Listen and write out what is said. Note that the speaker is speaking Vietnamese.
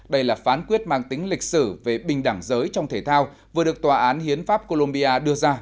đây là phán quyết mang tính lịch sử về bình đẳng giới trong thể thao vừa được tòa án hiến pháp colombia đưa ra